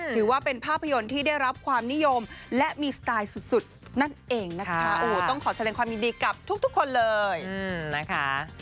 ถือว่าเป็นภาพยนตร์ที่ได้รับความนิยมและมีสไตล์สุดนั่นเองนะคะโอ้โหต้องขอแสดงความยินดีกับทุกคนเลยนะคะ